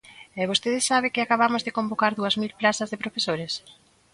¿E vostede sabe que acabamos de convocar dúas mil prazas de profesores?